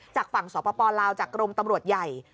จากฝั่งสปลาวจากกรมตำรวจใหญ่